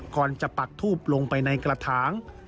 ก่อนจะปักทูบลงไปในกระถาง